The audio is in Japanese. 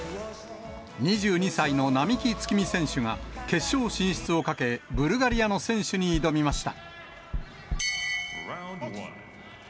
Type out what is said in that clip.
２２歳の並木月海選手が、決勝進出をかけ、ブルガリアの選手に挑みました。